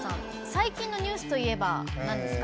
最近のニュースといえばなんですか？